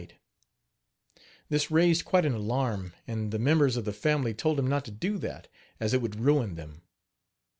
" This raised quite an alarm, and the members of the family told him not to do that, as it would ruin them.